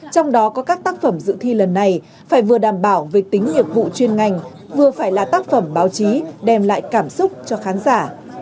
trong đó có các tác phẩm dự thi lần này phải vừa đảm bảo về tính nhiệm vụ chuyên ngành vừa phải là tác phẩm báo chí đem lại cảm xúc cho khán giả